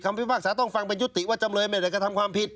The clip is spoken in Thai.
พิพากษาต้องฟังเป็นยุติว่าจำเลยไม่ได้กระทำความผิด